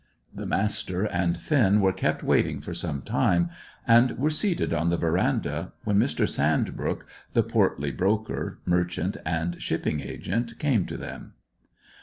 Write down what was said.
The Master and Finn were kept waiting for some time, and were seated on the verandah when Mr. Sandbrook, the portly broker, merchant, and shipping agent, came to them.